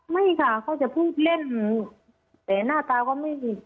ไม่ค่ะเขาจะพูดเล่นแต่หน้าตาก็ไม่ผิด